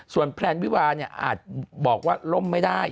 ส่วนแพลนวิวาเนี่ยอาจบอกว่าล่มไม่ได้